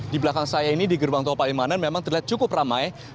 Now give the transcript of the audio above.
di belakang saya ini di gerbang tol palimanan memang terlihat cukup ramai